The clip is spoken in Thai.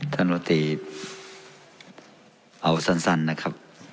ท่านวาติเอาสั้นนะครับ